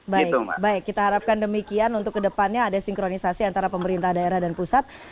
baik baik kita harapkan demikian untuk kedepannya ada sinkronisasi antara pemerintah daerah dan pusat